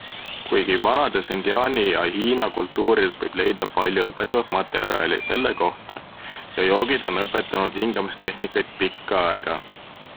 Kuigi vanades indiaani ja hiina kultuurides võib leida palju õpetavat materjali selle kohta ja joogid on õpetanud hingamistehnikaid pikka aega.